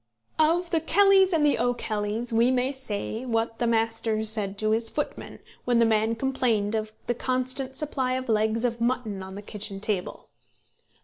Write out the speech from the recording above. "Of The Kellys and the O'Kellys we may say what the master said to his footman, when the man complained of the constant supply of legs of mutton on the kitchen table.